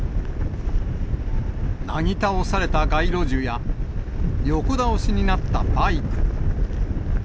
なぎ倒された街路樹や、横倒しになったバイク。